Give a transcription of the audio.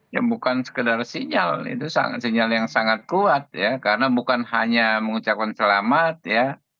ya bukan sekedar sinyal itu sinyal yang sangat kuat ya karena bukan hanya mengucapkan selamat ya